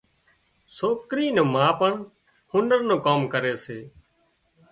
سوڪري نِي ما پڻ هنر نُون ڪام ڪري سي